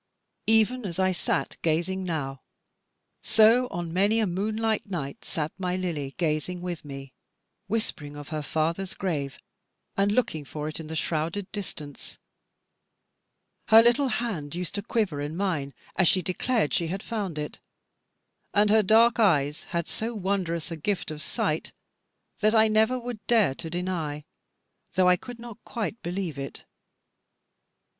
Even as I sat gazing now, so on many a moonlight night sat my Lily gazing with me, whispering of her father's grave, and looking for it in the shrouded distance. Her little hand used to quiver in mine, as she declared she had found it; and her dark eyes had so wondrous a gift of sight, that I never would dare to deny, though I could not quite believe it.